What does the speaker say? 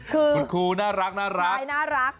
คุณครูน่ารักน่ารัก